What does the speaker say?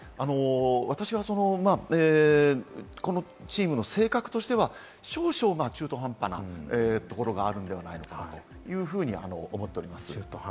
私はこのチームの性格としては少々、中途半端なところがあるんではないかというふうに思っております。